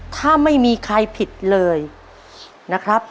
ถ้าไม่มีใครผิดเลยนะครับ